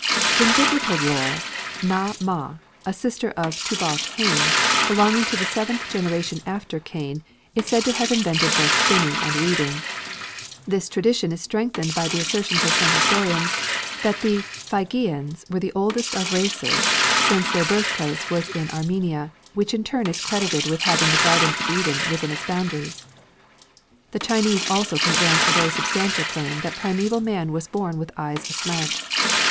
In Biblical lore Naa mah, a sister of Tubal Cain, belonging to the seventh generation after Cain, is said to have invented both spinning and weaving. This tradition is strengthened by the assertions of some historians that the Phrygians were the oldest of races, since their birthplace was in Armenia, which in turn is credited with having the Garden of Eden within its boundaries. The Chinese also can advance very substantial claims that primeval man was born with eyes aslant.